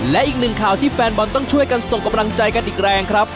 และอีกหนึ่งข่าวที่แฟนบอลต้องช่วยกันส่งกำลังใจกันอีกแรงครับ